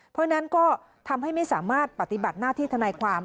เพราะฉะนั้นก็ทำให้ไม่สามารถปฏิบัติหน้าที่ทนายความ